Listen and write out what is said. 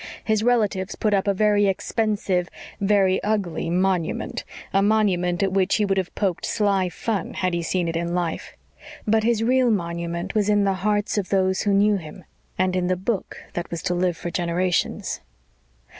His relatives put up a very expensive, very ugly "monument" a monument at which he would have poked sly fun had he seen it in life. But his real monument was in the hearts of those who knew him, and in the book that was to live for generations.